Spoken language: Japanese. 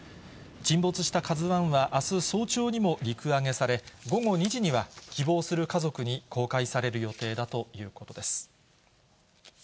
沈没したＫＡＺＵＩは、あす早朝にも陸揚げされ、午後２時には、希望する家族に公開される予定だということです。